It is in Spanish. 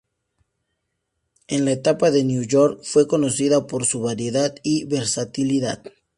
En la etapa de Nueva York, fue conocida por su variedad y versatilidad.